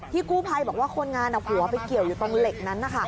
กู้ภัยบอกว่าคนงานผัวไปเกี่ยวอยู่ตรงเหล็กนั้น